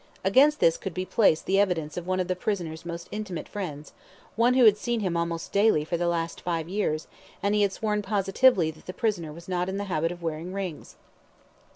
Against this could be placed the evidence of one of the prisoner's most intimate friends one who had seen him almost daily for the last five years, and he had sworn positively that the prisoner was not in the habit of wearing rings.